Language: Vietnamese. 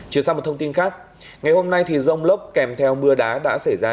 chưa xa một thông tin khác ngày hôm nay dông lốc kèm theo mưa đá đã xảy ra